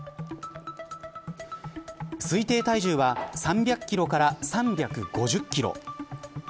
推定体重は３００キロから３５０キロ。